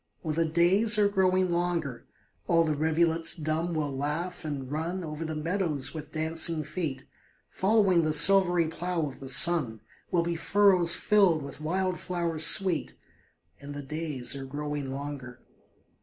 Oh, the days are growing longer, All the rivulets dumb will laugh, and run Over the meadows with dancing feet; Following the silvery plough of the sun, Will be furrows filled with wild flowers sweet: And the days are growing longer.